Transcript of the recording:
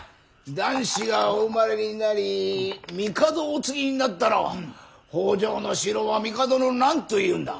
男子がお生まれになり帝をお継ぎになったら北条四郎は帝の何というんだ。